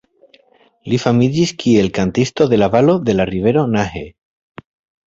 Li famiĝis kiel „kantisto de la valo de la rivero Nahe“.